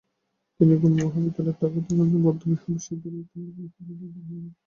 তিনি গ্যুমে মহাবিদ্যালয়ে ও দ্গা'-ল্দান বৌদ্ধবিহার বিশ্ববিদ্যালয়ের ব্যাং-র্ত্সে মহাবিদ্যালয়ে অধ্যাপনা করেন।